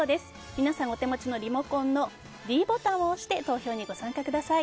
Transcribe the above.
皆さんお手持ちのリモコンのｄボタンを押して投票にご参加ください。